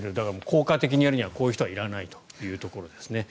効果的にやるにはこういう人はいらないということですね。